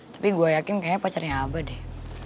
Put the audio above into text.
tapi gue yakin kayaknya pacarnya aba deh